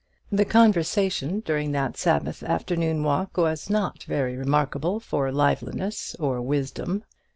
The conversation during that Sabbath afternoon walk was not very remarkable for liveliness or wisdom.